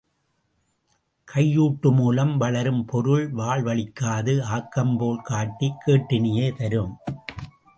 கையூட்டுமூலம் வளரும் பொருள், வாழ் வளிக்காது ஆக்கம்போல் காட்டிக் கேட்டினையே தரும்.